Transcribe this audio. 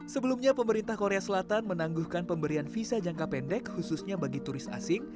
sebelumnya pemerintah korea selatan menangguhkan pemberian visa jangka pendek khususnya bagi turis asing